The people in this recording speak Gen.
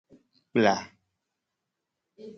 Kpla.